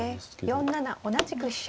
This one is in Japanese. ４七同じく飛車。